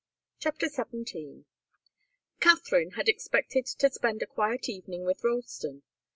CHAPTER XVII. Katharine had expected to spend a quiet evening with Ralston.